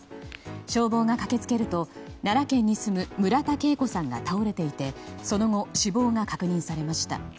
消防が駆け付けると奈良県に住む村田桂子さんが倒れていてその後、死亡が確認されました。